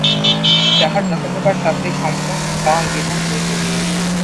তাহার যতপ্রকার শাস্তি সম্ভব তাহার বিধান করিতেছিলেন।